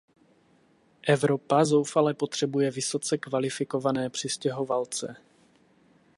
Evropa zoufale potřebuje vysoce kvalifikované přistěhovalce.